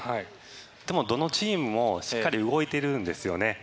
でもどのチームもしっかり動いてるんですよね。